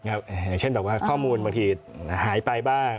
อย่างเช่นแบบว่าข้อมูลบางทีหายไปบ้าง